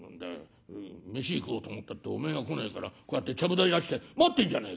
飯食おうと思ったっておめえが来ねえからこうやってちゃぶ台出して待ってんじゃねえか」。